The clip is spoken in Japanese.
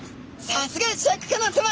さすがシャーク香音さま！